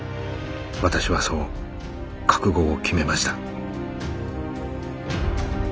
私はそう覚悟を決めました。